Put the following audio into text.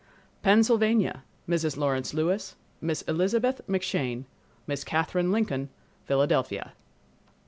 Pennsylvania—Mrs. Lawrence Lewis, Miss Elizabeth McShane, Miss Katherine Lincoln, Philadelphia.